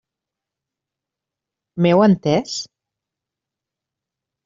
M'heu entès?